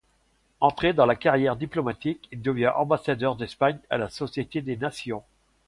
Entré dans la carrière diplomatique, il devient ambassadeur d'Espagne à la Société des Nations.